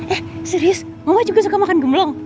eh serius mama juga suka makan gemblong